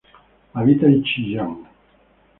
Habita en Chillán.